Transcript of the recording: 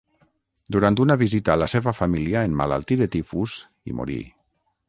Durant una visita a la seva família emmalaltí de tifus i morí.